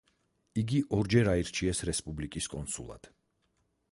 იგი ორჯერ აირჩიეს რესპუბლიკის კონსულად.